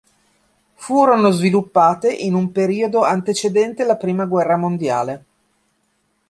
Furono sviluppate in un periodo antecedente la prima guerra mondiale.